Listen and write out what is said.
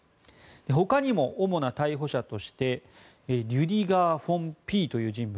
ほかにも主な逮捕者としてリュディガー・フォン・Ｐという人物。